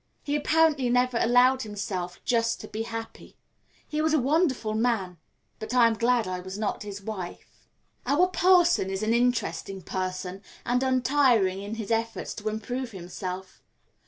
He apparently never allowed himself just to be happy. He was a wonderful man, but I am glad I was not his wife. Our parson is an interesting person, and untiring in his efforts to improve himself.